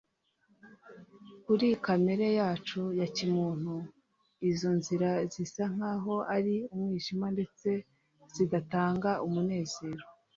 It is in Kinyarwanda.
kuri kamere yacu ya kimuntu, izo nzira zisa nk’aho ari umwijima ndetse zidatanga umunezero